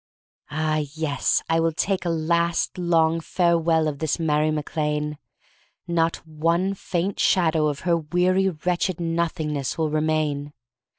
Ah, yes, I will take a last, long fare well of this Mary Mac Lane. Not one faint shadow of her weary wretched Nothingness will remain.